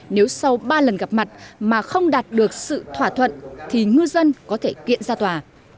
nếu sau ba lần gặp mặt mà không đạt được sự thỏa thuận thì ngư dân có thể kiện ra tòa